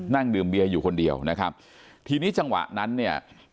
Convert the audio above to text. นั่งดื่มเบียร์อยู่คนเดียวนะครับทีนี้จังหวะนั้นเนี่ย